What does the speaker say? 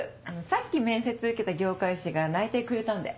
さっき面接受けた業界紙が内定くれたんで。